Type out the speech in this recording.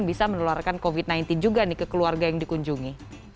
bisa menularkan covid sembilan belas juga nih ke keluarga yang dikunjungi